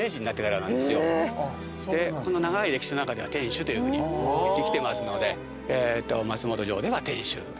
この長い歴史の中では天守といってきてますので松本城では天守。